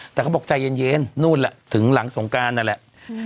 แต่เขาบอกใจเย็นนู่นแหละถึงหลังสงการนั่นแหละ